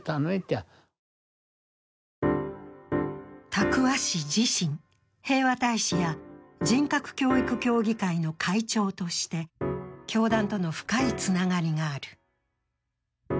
多久和氏自身、平和大使や人格教育協議会の会長として教団との深いつながりがある。